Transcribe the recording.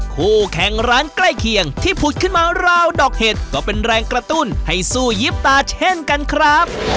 คู่แข่งร้านใกล้เคียงที่ผุดขึ้นมาราวดอกเห็ดก็เป็นแรงกระตุ้นให้สู้ยิบตาเช่นกันครับ